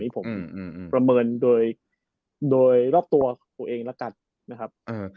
ประเมินโลกตัวตัวเองละกันนะครับ